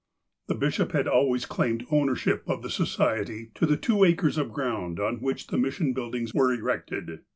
The bishop had always claimed the ownership of the Society to the two acres of ground on which the mission buildings were erected.